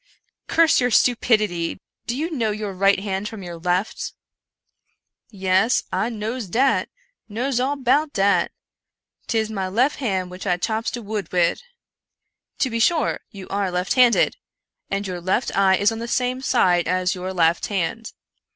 " Curse your stupidity ! do you know your right hand from your left ?"" Yes, I knows dat — knows all about dat — 'tis my lef hand what I chops de wood wid." "To be sure! you are left handed; and your left eye is on the same side as your left hand.